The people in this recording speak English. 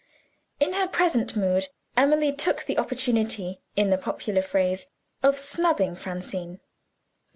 In her present mood, Emily took the opportunity (in the popular phrase) of snubbing Francine.